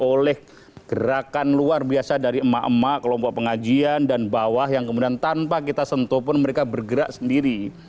oleh gerakan luar biasa dari emak emak kelompok pengajian dan bawah yang kemudian tanpa kita sentuh pun mereka bergerak sendiri